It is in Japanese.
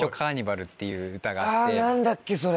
あぁ何だっけそれ。